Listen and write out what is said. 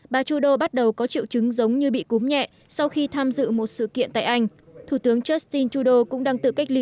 bà trudeau bắt đầu có triệu chứng giống như bị cúm nhẹ sau khi tham dự một sự kiện tại anh thủ tướng justin trudeau cũng đang tự cách ly